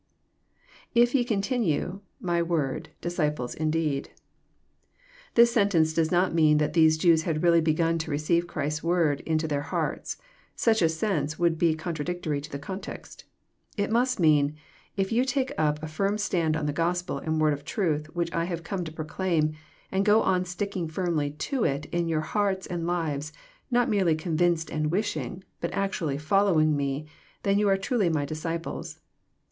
llf ye continue,., my word.,. disciples indeed.^ This sentence does not mean that these Jews had really begun to receive Christ's word into their hearts. Such a sense would be contra dictory to the context. It must mean :" If you take up a firm stand on that Gospel and Word of Truth which I have come to proclaim, and go on sticking firmly to it in your hearts and lives, not merely convinced and wishing, but actually following Me, then you are truly My disciples."